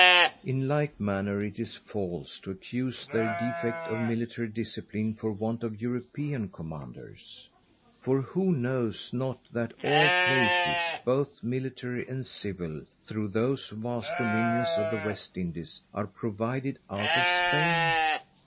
_ In like manner is it false, to accuse their defect of Military Discipline for want of European Commanders. For who knoweth not that all places, both Military and Civil, through those vast dominions of the West Indies, are provided out of Spain?